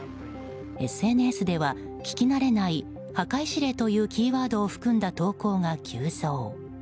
ＳＮＳでは聞き慣れない破壊指令というキーワードを含んだ投稿が急増。